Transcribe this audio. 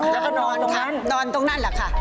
แล้วก็นอนตรงนั้นนอนตรงนั้นแหละค่ะ